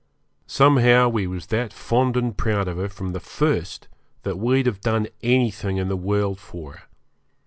Somehow we was that fond and proud of her from the first that we'd have done anything in the world for her.